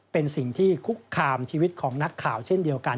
เป็นสิ่งที่คุกคามชีวิตของนักข่าวเช่นเดียวกัน